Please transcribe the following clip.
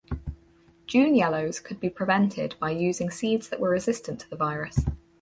June yellows could be prevented by using seeds that were resistant to the virus.